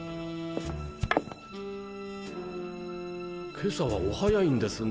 今朝はお早いんですね